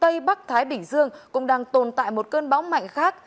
tây bắc thái bình dương cũng đang tồn tại một cơn bão mạnh khác